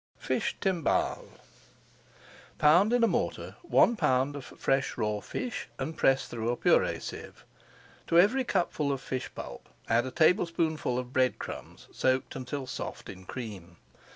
FISH TIMBALES Pound in a mortar one pound of fresh raw fish and press through a purée sieve. To every cupful of fish pulp add a tablespoonful of bread crumbs soaked until soft in cream.